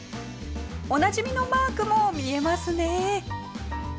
おなじみのマークも見えますね。